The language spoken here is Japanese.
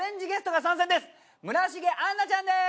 村重杏奈ちゃんです。